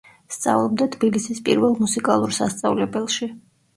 სწავლობდა თბილისის პირველ მუსიკალურ სასწავლებელში.